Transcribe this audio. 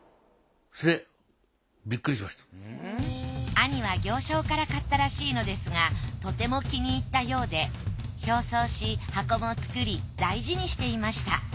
兄は行商から買ったらしいのですがとても気に入ったようで表装し箱も作り大事にしていました。